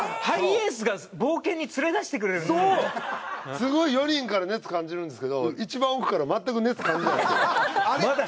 すごい４人から熱感じるんですけど一番奥から全く熱感じない。